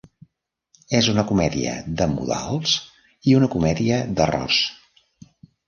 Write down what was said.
És una comèdia de modals i una comèdia d'errors.